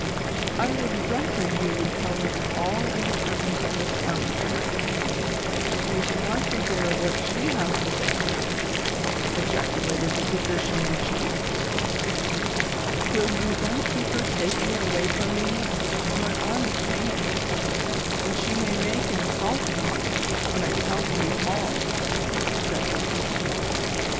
" I would rather you would tell us all in the presence of iliss Armington, as we should like to hear wliat she has to say to it," ejaculated the physician In chief. THE CONSPIRATORS AND LOVERS. 203 "Will you then keep lier safely away from me, for my arm is painful, and she may make an assault upon me, when I tell you all V " said he.